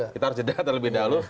kita harus jeda terlebih dahulu